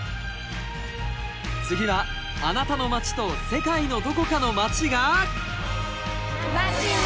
次はあなたの街と世界のどこかの街が。